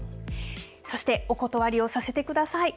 そして、おことわりをさせてください。